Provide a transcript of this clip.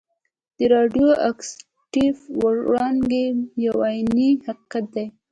د راډیو اکټیف وړانګې یو عیني حقیقت دی.